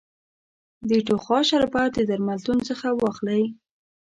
د ټوخا شربت د درملتون څخه واخلی